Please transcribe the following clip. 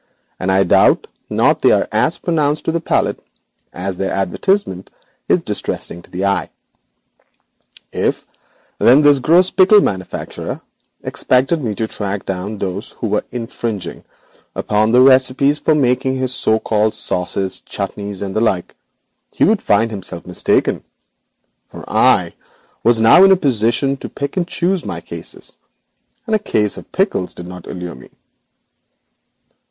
But I doubt not they are as pronounced to the palate as their advertisement is distressing to the eye. If then, this gross pickle manufacturer expected me to track down those who were infringing upon the recipes for making his so called sauces, chutneys, and the like, he would find himself mistaken, for I was now in a position to pick and choose my cases, and a case of pickles did not allure me.